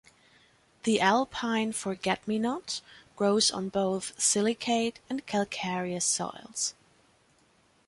The Alpine forget-me-not grows on both silicate and calcareous soils.